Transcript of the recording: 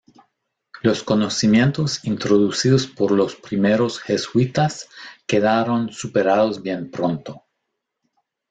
Los conocimientos introducidos por los primeros jesuitas quedaron superados bien pronto.